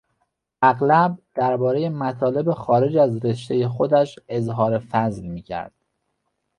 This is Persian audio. اغلب دربارهی مطالب خارج از رشتهی خودش اظهار فضل میکرد.